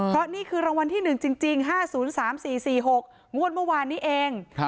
เพราะนี่คือรางวัลที่๑จริง๕๐๓๔๔๖งวดเมื่อวานนี้เอง